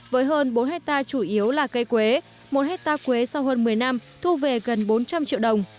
với hơn bốn hectare chủ yếu là cây quế một hectare quế sau hơn một mươi năm thu về gần bốn trăm linh triệu đồng